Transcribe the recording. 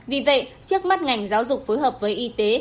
vì vậy trước mắt ngành giáo dục phối hợp với y tế